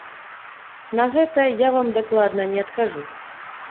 На гэта я вам дакладна не адкажу.